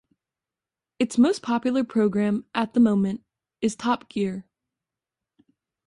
Its most popular programme at the moment is "Top Gear".